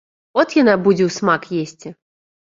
От яна будзе ўсмак есці!